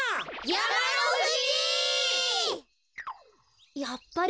やまのふじ！